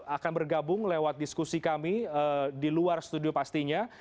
akan bergabung lewat diskusi kami di luar studio pastinya